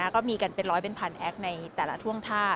ก็มีกันเป็น๑๐๐เป็น๑๐๐๐แอคซ์ในแต่ละท่วงท่า